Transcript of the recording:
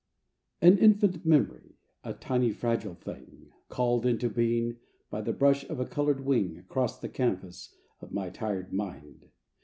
An infant memory, A tiny fragile thing, Called into being By the brush of a colored wing Across the canvas Of my tired mind.